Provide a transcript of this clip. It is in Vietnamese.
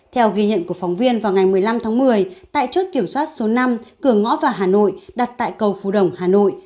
theo ghi nhận của phóng viên vào ngày một mươi năm tháng một mươi tại chốt kiểm soát số năm cửa ngõ vào hà nội đặt tại cầu phù đồng hà nội